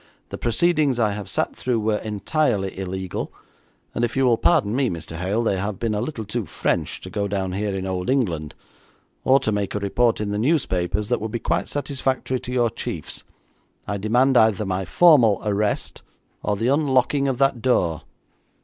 The proceedings I have sat through were entirely illegal, and if you will pardon me, Mr. Hale, they have been a little too French to go down here in old England, or to make a report in the newspapers that would be quite satisfactory to your chiefs. I demand either my formal arrest, or the unlocking of that door.'